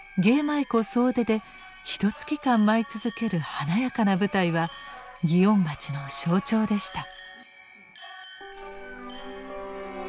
舞妓総出でひとつき間舞い続ける華やかな舞台は祇園町の象徴でした。